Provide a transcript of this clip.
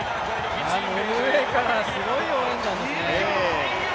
ノルウェーからすごい応援団ですね。